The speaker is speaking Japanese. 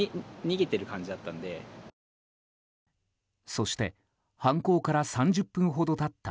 そして、犯行から３０分ほど経った